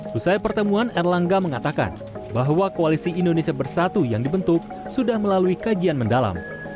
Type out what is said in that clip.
setelah pertemuan erlangga mengatakan bahwa koalisi indonesia bersatu yang dibentuk sudah melalui kajian mendalam